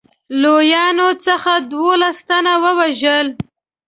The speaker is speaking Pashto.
لویانو څخه دوولس تنه ووژل.